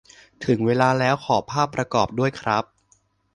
ถึงเวลาแล้วขอภาพประกอบด้วยครับ